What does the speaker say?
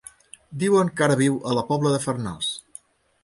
Diuen que ara viu a la Pobla de Farnals.